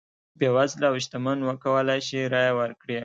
بېوزله او شتمن وکولای شي رایه ورکړي.